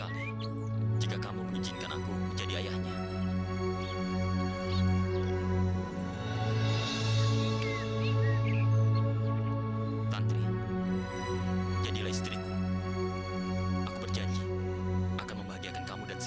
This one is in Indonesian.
mas tunggu mas rantangnya mas